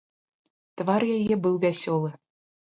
Твар яе быў вясёлы.